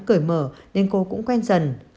cười mở nên cô cũng quen dần